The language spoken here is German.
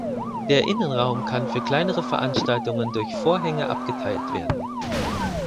Der Innenraum kann für kleinere Veranstaltungen durch Vorhänge abgeteilt werden.